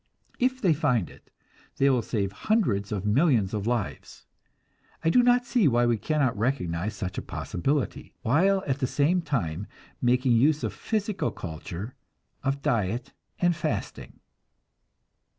If they find it, they will save hundreds of millions of lives. I do not see why we cannot recognize such a possibility, while at the same time making use of physical culture, of diet and fasting.